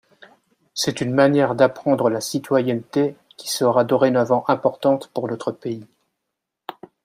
C’est une manière d’apprendre la citoyenneté qui sera dorénavant importante pour notre pays.